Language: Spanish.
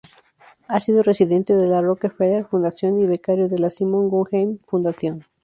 Ha sido residente de la Rockefeller Foundation y becario de la Simon Guggenheim Foundation.